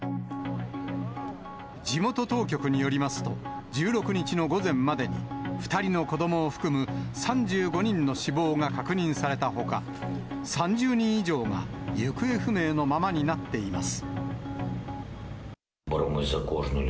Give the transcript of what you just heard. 地元当局によりますと、１６日の午前までに、２人の子どもを含む３５人の死亡が確認されたほか、３０人以上が行方不明のままになっています。